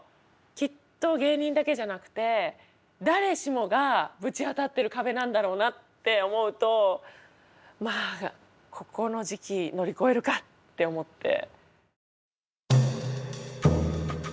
きっと芸人だけじゃなくて誰しもがぶち当たってる壁なんだろうなって思うとまあここの時期乗り越えるかって思って。